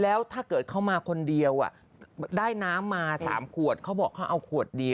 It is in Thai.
แล้วถ้าเขาเคยมาคนเดียวได้น้ำมา๓กว่าเขาบอกเขาเอา๑กว่า